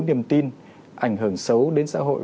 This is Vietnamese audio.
niềm tin ảnh hưởng xấu đến xã hội